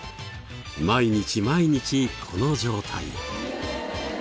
毎日毎日この状態。